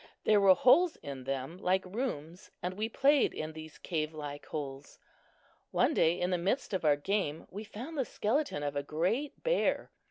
There were holes in them like rooms, and we played in these cave like holes. One day, in the midst of our game, we found the skeleton of a great bear.